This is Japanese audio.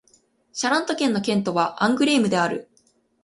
シャラント県の県都はアングレームである